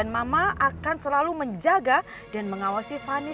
mama akan selalu menjaga dan mengawasi fani